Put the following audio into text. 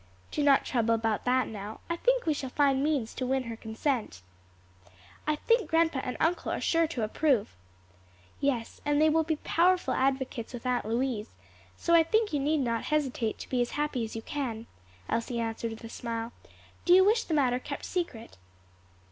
"Do not trouble about that now; I think we shall find means to win her consent." "I think grandpa and uncle are sure to approve." "Yes; and they will be powerful advocates with Aunt Louise; so I think you need not hesitate to be as happy as you can," Elsie answered with a smile. "Do you wish the matter kept secret?"